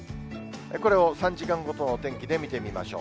これを３時間ごとのお天気で見てみましょう。